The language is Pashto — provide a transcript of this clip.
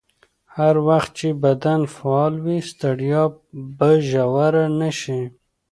هر وخت چې بدن فعال وي، ستړیا به ژوره نه شي.